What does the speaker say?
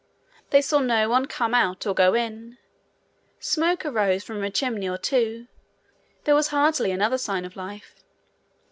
They saw no one come out or go in. Smoke arose from a chimney or two; there was hardly another sign of life.